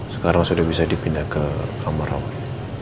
sekarang sudah bisa dipindah ke kamar rawa